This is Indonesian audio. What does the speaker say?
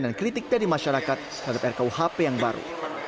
dan kritik dari masyarakat terhadap rkuhp yang baru